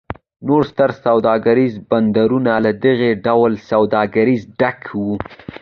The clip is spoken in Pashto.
نور ستر سوداګریز بندرونه له دغه ډول سوداګرو ډک و.